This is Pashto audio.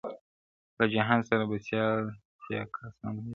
له جهان سره به سیال سيقاسم یاره,